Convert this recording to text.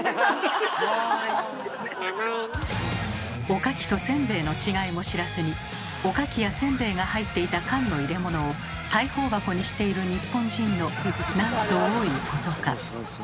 おかきとせんべいの違いも知らずにおかきやせんべいが入っていた缶の入れ物を裁縫箱にしている日本人のなんと多いことか。